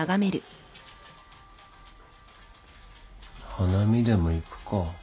花見でも行くか。